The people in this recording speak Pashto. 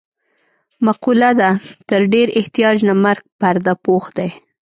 مقوله ده: تر ډېر احتیاج نه مرګ پرده پوښ دی.